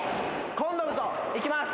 今度こそいきます！